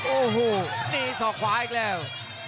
โอ้โหนี่ส่อขวาอีกแล้ว